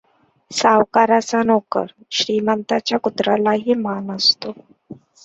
सावकाराचा नोकर! श्रीमंताच्या कुत्र्यालाही मान असतो.